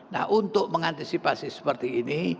nah untuk mengantisipasi seperti ini